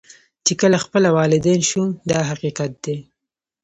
چې کله خپله والدین شو دا حقیقت دی.